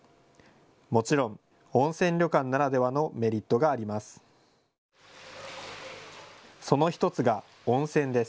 もちろん、温泉旅館ならではのメリットがあります。